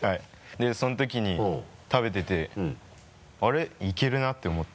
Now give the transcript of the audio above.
でそのときに食べてて「あれ？いけるな」って思って。